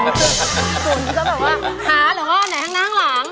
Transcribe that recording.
คนคือแบบว่าหาหรอไหนห้างหลัง